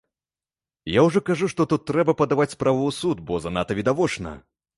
Я ўжо кажу, што тут трэба падаваць справу ў суд, бо занадта відавочна.